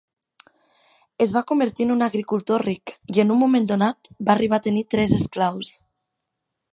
Es va convertir en un agricultor ric i en un moment donat va arribar a tenir tres esclaus.